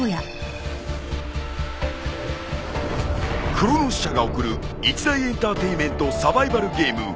［クロノス社が送る一大エンターテインメントサバイバルゲーム］